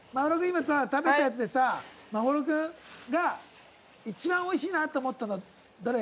今さ食べたやつでさ眞秀君が一番おいしいなって思ったのはどれ？